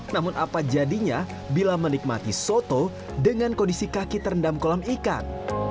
namun apa jadinya bila menikmati soto dengan kondisi kaki terendam kolam ikan